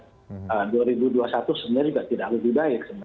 dua ribu dua puluh satu sebenarnya juga tidak lebih baik sebenarnya